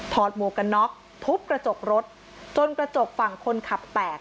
หมวกกันน็อกทุบกระจกรถจนกระจกฝั่งคนขับแตก